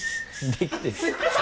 できてる。